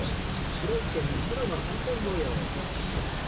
黒い毛に白の斑点模様。